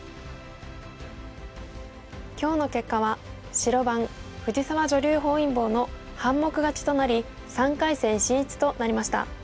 今日の結果は白番藤沢女流本因坊の半目勝ちとなり３回戦進出となりました。